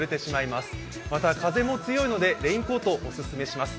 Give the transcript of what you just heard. また、風も強いのでレインコートをお勧めします。